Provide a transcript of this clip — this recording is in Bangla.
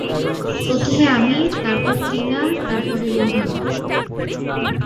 প্রথমে আমি, তারপর টিনা, তারপরে রোহান।